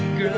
itu tadi ya